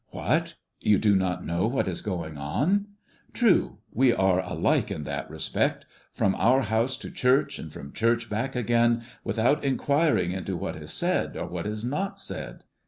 What! You do not know what is going on? True, we are alike in that respect, from our house to church, and from church back again, without inquiring into what is said or what is not said.